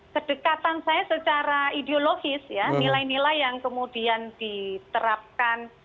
kedekatan saya secara ideologis ya nilai nilai yang kemudian diterapkan